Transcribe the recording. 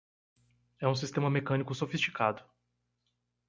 É um sistema mecânico sofisticado!